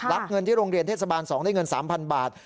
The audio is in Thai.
รับเงินที่โรงเรียนเทศบาล๒ได้เงิน๓๐๐บาท